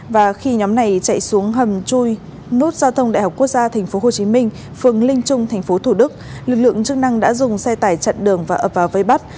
và khi nhóm này chạy xuống hầm chui nút giao thông đại học quốc gia tp hcm phường linh trung thành phố thủ đức lực lượng chức năng đã dùng xe tải chặn đường và ập vào vây bắt